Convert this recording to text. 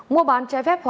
mua bán trái phép khoa